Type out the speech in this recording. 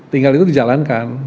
tinggal itu dijalankan